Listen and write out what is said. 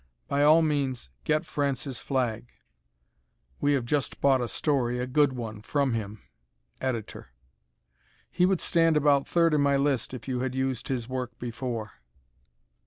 By all means get Francis Flagg. [We have just bought a story a good one from him! Ed]. He would stand about third in my list if you had used his work before.